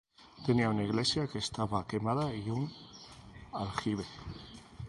Tenía una iglesia que estaba quemada y un aljibe.